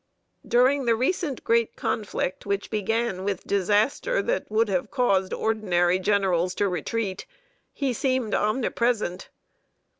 ] During the recent great conflict which began with disaster that would have caused ordinary generals to retreat, he seemed omnipresent.